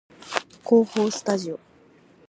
構法スタジオ